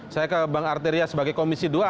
saya ke bang arteria sebagai komisi dua